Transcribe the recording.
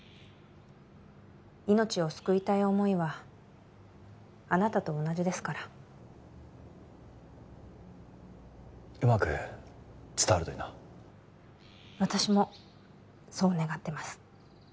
命を救いたい思いはあなたと同じですからうまく伝わるといいな私もそう願ってます